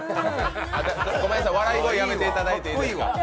ごめんなさい、笑い声やめていただいていいですか。